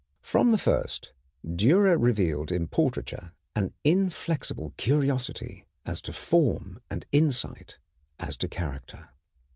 ] From the first Dürer revealed in portraiture an inflexible curiosity as to form and insight as to character.